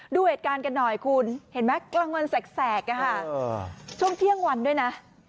ดูเหตุการณ์กันหน่อยคุณเห็นไหมกลางวันแสกช่วงเที่ยงวันด้วยนะ